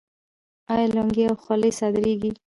آیا لونګۍ او خولۍ صادریږي؟